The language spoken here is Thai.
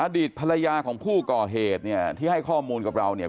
อดีตภรรยาของผู้ก่อเหตุเนี่ยที่ให้ข้อมูลกับเราเนี่ย